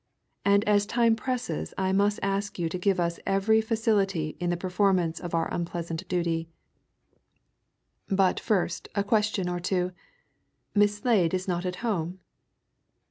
And as time presses I must ask you to give us every facility in the performance of our unpleasant duty. But first a question or two. Miss Slade is not at home?"